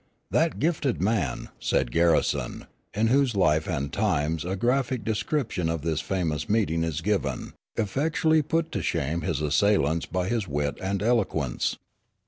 "That gifted man," said Garrison, in whose Life and Times a graphic description of this famous meeting is given, "effectually put to shame his assailants by his wit and eloquence."